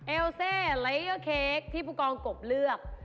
เอลเซไลเยอร์เค้กที่ผู้กองกบเลือก